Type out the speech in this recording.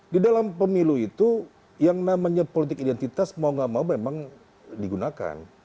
di dalam pemilu itu yang namanya politik identitas mau gak mau memang digunakan